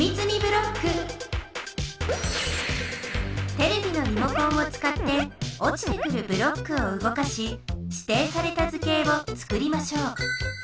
テレビのリモコンを使って落ちてくるブロックを動かし指定された図形を作りましょう。